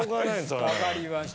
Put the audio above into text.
分かりました。